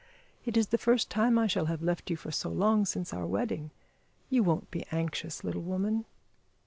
It is the first time I shall have left you for so long since our wedding. You won't be anxious, little woman?"